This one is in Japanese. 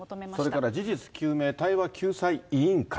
それから事実究明・対話救済委員会。